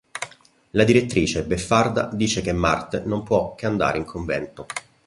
La direttrice, beffarda, dice che Marthe non può che andare in convento.